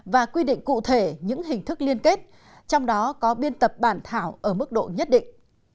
và quy định cụ thể những hình thức liên kết trong đó có biên tập bản thảo ở mức độ nhất định